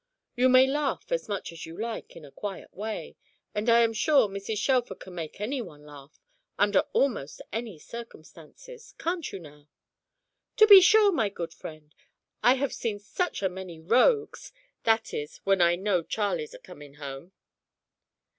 You may laugh as much as you like, in a quiet way; and I am sure Mrs. Shelfer can make any one laugh, under almost any circumstances. Can't you now?" "To be sure, my good friend, I have seen such a many rogues. That is, when I know Charley's a coming home."